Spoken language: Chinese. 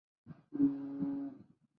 雷诺位于内华达州首府卡森城接壤。